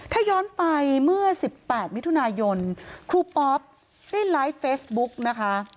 ถ้าย้อนไปเมื่อ๑๘มิถุนายนครูปอปได้ไลฟ์เฟซบุ๊กนะคะ